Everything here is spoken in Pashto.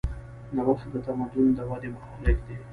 نوښت د تمدن د ودې محرک دی.